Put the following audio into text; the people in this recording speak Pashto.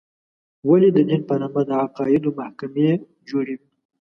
ولې د دین په نامه د عقایدو محکمې جوړې وې.